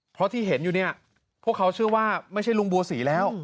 เพราะที่เห็นอยู่เนี่ยพวกเขาเชื่อว่าไม่ใช่ลุงบัวศรีแล้ว